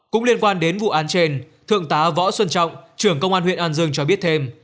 cũng liên quan đến vụ án trên thượng tá võ xuân trọng trưởng công an huyện an dương cho biết thêm